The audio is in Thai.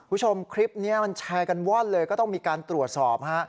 คุณผู้ชมคลิปนี้มันแชร์กันว่อนเลยก็ต้องมีการตรวจสอบฮะ